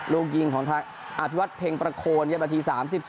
ลูกยิงของทางอภิวัตเพ็งประโคนครับนาที๓๒